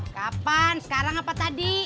kapan sekarang apa tadi